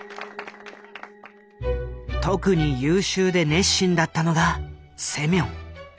特に優秀で熱心だったのがセミョン。